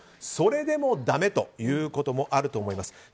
それでもだめということもあると思います。